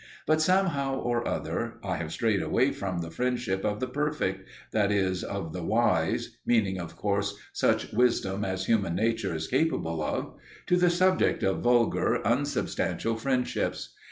But somehow or other I have strayed away from the friendship of the perfect, that is of the "wise" (meaning, of course, such "wisdom" as human nature is capable of), to the subject of vulgar, unsubstantial friendships.